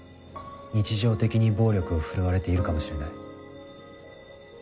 日常的に暴力を振るわれているかもしれない。